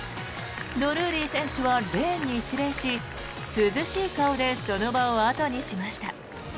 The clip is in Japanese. ドルーリー選手はレーンに一礼し涼しい顔でその場を後にしました。